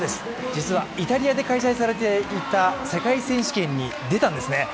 実はイタリアで開催されていた世界選手権に出たんですね。